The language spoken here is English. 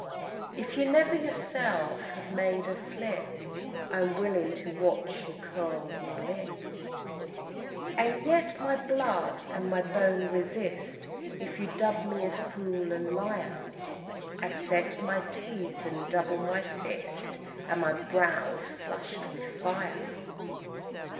If you never yourself have made a slip, I'm willing to watch you curl your lip. And yet my blood and my bone resist If you dub me fool and liar. I set my teeth and double my fist And my brow is flushed with fire.